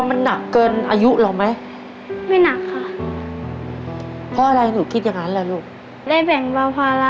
ได้แบ่งบาวพาลาภูกาย่าค่ะ